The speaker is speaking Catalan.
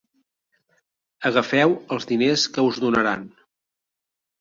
Agafeu els diners que us donaran.